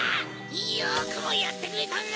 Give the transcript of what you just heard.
よくもやってくれたな！